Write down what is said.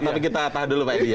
tapi kita tahan dulu pak edi